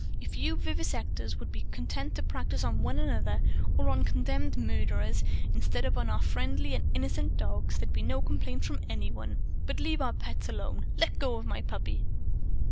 If you vivisectors would be content to practice on one another or on condemned murderers, instead of on friendly and innocent dogs, there'd be no complaint from any one. But leave our pets alone. Let go of my puppy!"